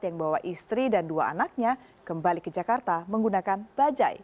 yang bawa istri dan dua anaknya kembali ke jakarta menggunakan bajai